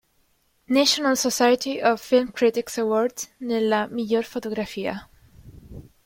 National Society of Film Critics Award alla miglior fotografia